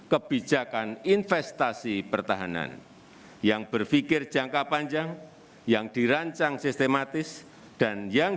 kebijakan investasi pertahanan yang berpikir jangka panjang yang dirancang sistematis dan yang